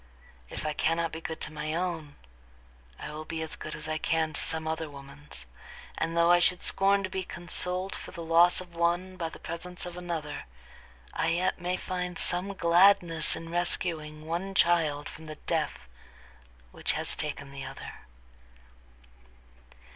If I cannot be good to my own, I will be as good as I can to some other woman's; and though I should scorn to be consoled for the loss of one by the presence of another, I yet may find some gladness in rescuing one child from the death which has taken the other."